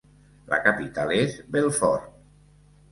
La capital és Belfort.